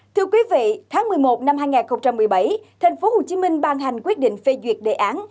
thưa quý vị tháng một mươi một năm hai nghìn một mươi bảy thành phố hồ chí minh ban hành quyết định phê duyệt đề án